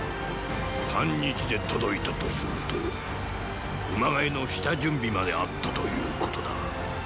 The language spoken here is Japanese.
半日で届いたとすると馬換えの下準備まであったということだ。